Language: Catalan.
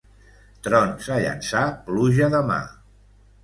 Trons a Llançà, pluja demà.